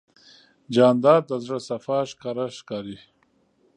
جانداد د زړه صفا ښکاره ښکاري.